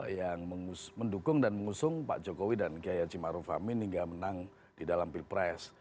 yang mendukung dan mengusung pak jokowi dan kiai haji maruf amin hingga menang di dalam pilpres